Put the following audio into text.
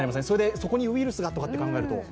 そこにウイルスがとか考えると。